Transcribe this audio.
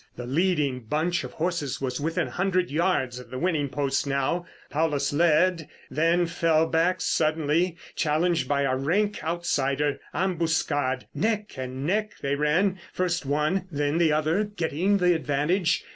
The leading bunch of horses was within a hundred yards of the winning post now. Paulus led, then fell back suddenly challenged by a rank outsider, Ambuscade. Neck and neck they ran, first one, then the other, getting the advantage.